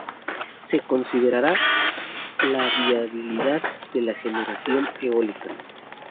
Se considerará la viabilidad de la generación eólica.